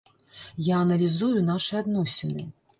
Я аналізую нашы адносіны.